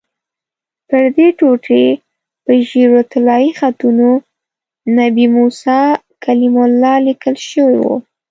پردې ټوټې په ژېړو طلایي خطونو 'نبي موسی کلیم الله' لیکل شوي وو.